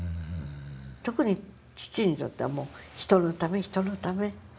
特に父にとっては人のため人のため。